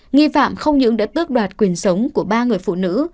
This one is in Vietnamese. nghi phạm không những đã tước đoạt quyền sống của ba người phụ nữ